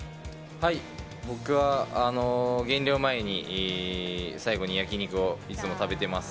僕は減量前に、最後に焼き肉をいつも食べてます。